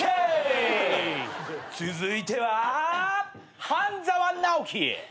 続いては半沢直樹。